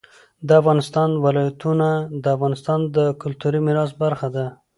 د افغانستان ولايتونه د افغانستان د کلتوري میراث برخه ده.